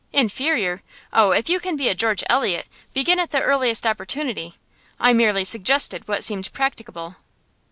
'Inferior? Oh, if you can be a George Eliot, begin at the earliest opportunity. I merely suggested what seemed practicable.